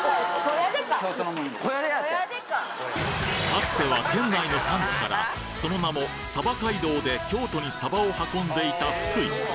かつては県内の産地からその名も街道で京都に鯖を運んでいた福井